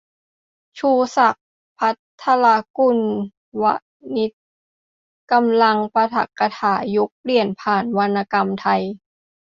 ชูศักดิ์ ภัทรกุลวณิชย์ กำลังปาฐกถา ยุคเปลี่ยนผ่านวรรณกรรมไทย